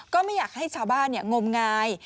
ก็ไม่อยากให้ชาวบ้านงมงาย